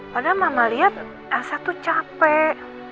padahal mama lihat asa tuh capek